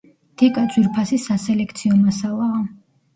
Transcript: დიკა ძვირფასი სასელექციო მასალაა.